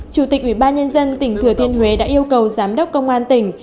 chủ tịch ủy ban nhân dân tỉnh thừa thiên huế đã yêu cầu giám đốc công an tỉnh